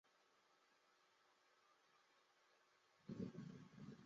有两种关于和平寺历史的传说。